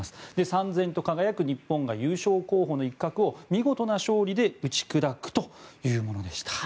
さん然と輝く日本が優勝候補の一角を見事な勝利で打ち砕くというものでした。